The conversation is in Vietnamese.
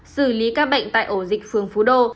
xử lý các bệnh tại ổ dịch phường phú đô